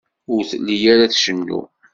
Ur telli ara tcennu.